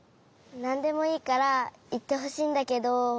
なんでもいいからいってほしいんだけど。